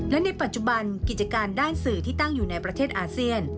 และในปัจจุบันกิจการด้านสื่อที่ตั้งอยู่ในประเทศอาเซียน